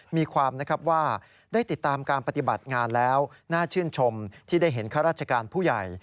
มีความนะครับว่าได้ติดตามการปฏิบัติงานแล้วน่าชื่นชมที่ได้เห็นข้าราชการผู้ใหญ่